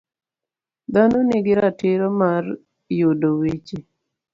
Dhano nigi ratiro mar yudo weche.